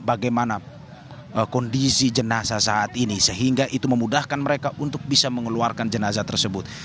bagaimana kondisi jenazah saat ini sehingga itu memudahkan mereka untuk bisa mengeluarkan jenazah tersebut